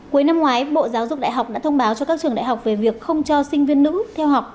cuối năm ngoái bộ giáo dục đại học đã thông báo cho các trường đại học về việc không cho sinh viên nữ theo học